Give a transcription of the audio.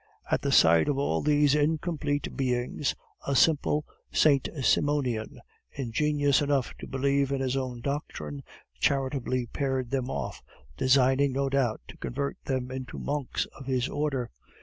At the sight of all these incomplete beings, a simple Saint Simonian, ingenuous enough to believe in his own doctrine, charitably paired them off, designing, no doubt, to convert them into monks of his order.